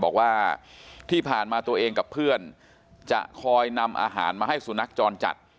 บอกว่าที่ผ่านมาตัวเองกับเพื่อนจะคอยนำอาหารมาให้สุนัขจรจัด